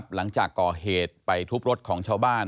หลังจากก่อเหตุไปทุบรถของชาวบ้าน